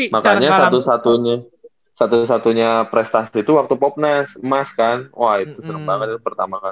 makanya satu satunya prestasi itu waktu popnas emas kan wah itu seru banget itu pertama kan